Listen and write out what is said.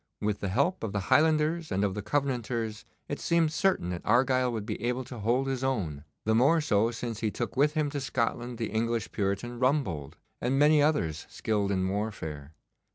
With the help of the Highlanders and of the Covenanters it seemed certain that Argyle would be able to hold his own, the more so since he took with him to Scotland the English Puritan Rumbold, and many others skilled in warfare.